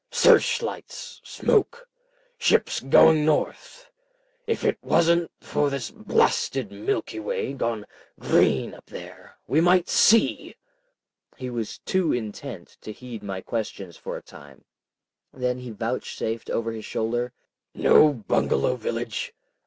"Search lights! Smoke! Ships going north! If it wasn't for this blasted Milky Way gone green up there, we might see." He was too intent to heed my questions for a time. Then he vouchsafed over his shoulder— "Know Bungalow village?